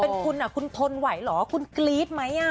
เป็นคุณคุณทนไหวเหรอคุณกรี๊ดไหม